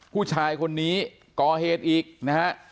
ผู้ชายคนนี้ก่อเหตุอีกนะฮะ